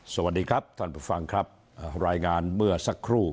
สวัสดีครับท่านผู้ฟังครับรายงานเมื่อสักครู่